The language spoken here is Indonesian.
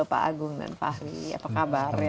agung dan fahri apa kabar ya